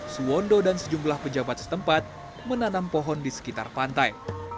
suwondo dan sejumlah pejabat setempat menanam pohon di sekitar pantai